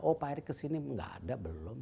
oh pak erick kesini nggak ada belum